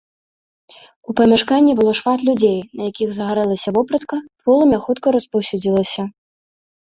У памяшканні было шмат людзей, на якіх загарэлася вопратка, полымя хутка распаўсюдзілася.